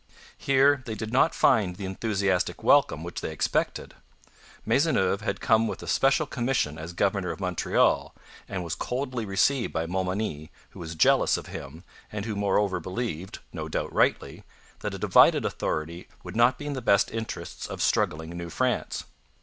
Here they did not find the enthusiastic welcome which they expected. Maisonneuve had come with a special commission as governor of Montreal, and was coldly received by Montmagny, who was jealous of him, and who moreover believed, no doubt rightly, that a divided authority would not be in the best interests of struggling New France.